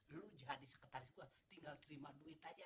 lu jadi sekretaris gue tinggal terima duit aja